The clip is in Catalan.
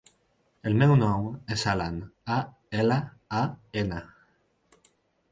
El meu nom és Alan: a, ela, a, ena.